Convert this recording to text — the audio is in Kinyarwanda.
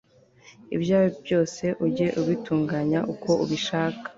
ibyawe byose ujye ubitunganya uko ubishaka